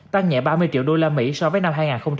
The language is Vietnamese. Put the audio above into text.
tăng nhẹ ba mươi triệu đô la mỹ so với năm hai nghìn hai mươi hai